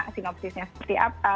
sinopsisnya seperti apa